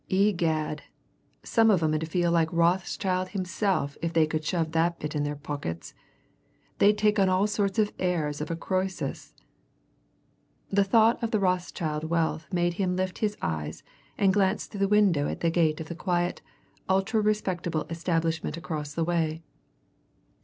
"Egad, some of 'em 'ud feel like Rothschild himself if they could shove that bit in their pockets they'd take on all the airs of a Croesus!" The thought of the Rothschild wealth made him lift his eyes and glance through the window at the gate of the quiet, ultra respectable establishment across the way.